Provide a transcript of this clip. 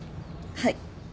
はい。